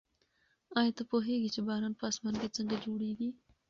ایا ته پوهېږې چې باران په اسمان کې څنګه جوړېږي؟